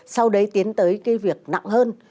sau đấy tiến tới cái việc nặng hơn